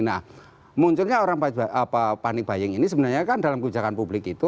nah munculnya orang panik baying ini sebenarnya kan dalam kebijakan publik itu